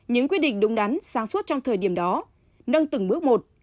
những quyết định đúng đắn sáng suốt trong thời điểm đó nâng từng bước một